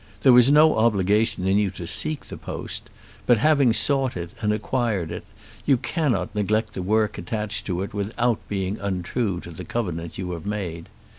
There was no obligation in you to seek the post; but having sought it and acquired it you cannot neglect the work attached to it without being untrue to the covenant you have made.